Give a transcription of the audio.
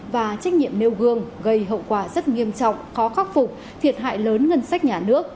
và trách nhiệm nêu gương gây hậu quả rất nghiêm trọng khó khắc phục thiệt hại lớn ngân sách nhà nước